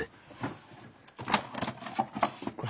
これ。